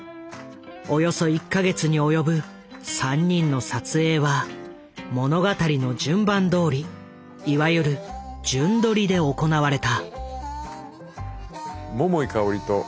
およそ１か月に及ぶ３人の撮影は物語の順番どおりいわゆる「順撮り」で行われた。